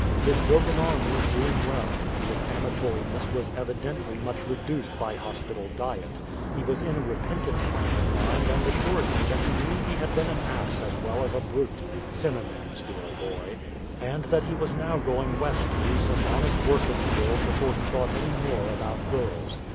His broken arm was doing well; his amatoriness was evidently much reduced by hospital diet; he was in a repentant frame of mind and assured me that he knew he had been an ass as well as a brute (synonymes, dear boy), and that he was now going West to do some honest work in the world before he thought any more about girls.